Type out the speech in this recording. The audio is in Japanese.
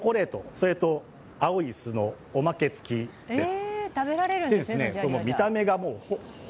それと青い椅子のおまけつきです。